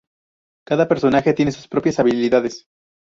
Cada personaje tiene sus propias habilidades.